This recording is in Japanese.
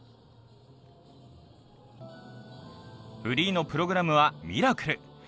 フリーのプログラムは「ミラクル」。